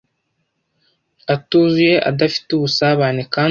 atuzuye adafite ubusabane kandi uku